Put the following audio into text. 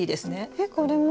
えっこれも？